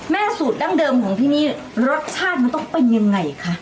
สูตรดั้งเดิมของที่นี่รสชาติมันต้องเป็นยังไงคะ